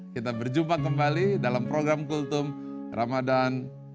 kita berjumpa kembali dalam program kultum ramadhan